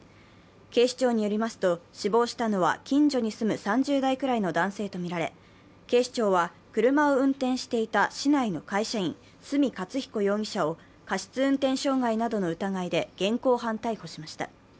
警視庁によりますと、死亡したのは近所に住む３０代くらいの男性とみられ、警視庁は車を運転していた市内の会社員、角勝彦容疑者を過失運転傷害などの疑いで現行犯逮捕しました。